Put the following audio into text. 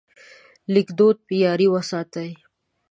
لیکدود معیاري وساتئ.